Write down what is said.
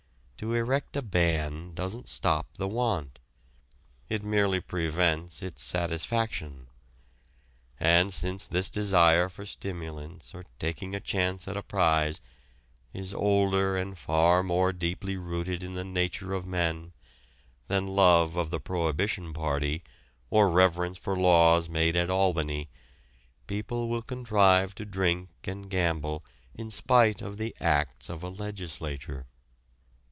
To erect a ban doesn't stop the want. It merely prevents its satisfaction. And since this desire for stimulants or taking a chance at a prize is older and far more deeply rooted in the nature of men than love of the Prohibition Party or reverence for laws made at Albany, people will contrive to drink and gamble in spite of the acts of a legislature.